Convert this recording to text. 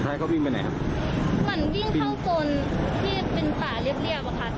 ให้เขาวิ่งไปไหนครับมันวิ่งเข้าโซนที่เป็นป่าเรียบเรียบอะค่ะ